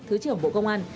thứ trưởng bộ công an